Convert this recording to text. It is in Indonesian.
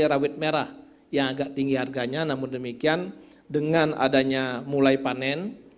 cawit merah yang agak tinggi harganya namun demikian dengan adanya mulai panen